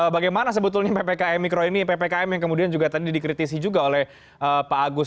bagaimana sebetulnya ppkm mikro ini ppkm yang kemudian juga tadi dikritisi juga oleh pak agus